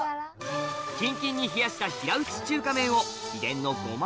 キンキンに冷やした平打ち中華麺を秘伝のゴマ